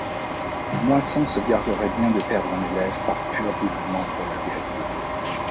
Moisson se garderait bien de perdre un élève par pur dévouement pour la vérité.